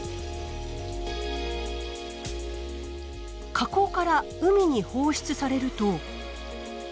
河口から海に放出されると。